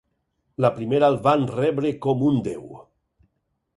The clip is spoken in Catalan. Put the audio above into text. La primera el van rebre com un déu.